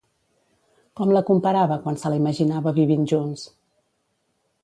Com la comparava quan se la imaginava vivint junts?